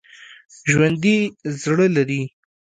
ژوندي زړه لري